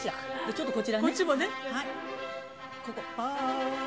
ちょっとこちらもね。